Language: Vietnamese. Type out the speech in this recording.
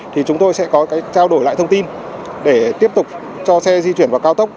thì chúng tôi sẽ có cái trao đổi lại thông tin để tiếp tục cho xe di chuyển vào cao tốc